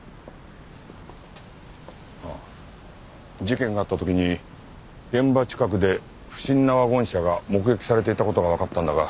事件があった時に現場近くで不審なワゴン車が目撃されていた事がわかったんだが。